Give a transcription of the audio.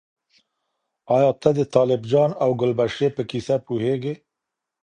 ایا ته د طالب جان او ګلبشرې په کیسه پوهیږې؟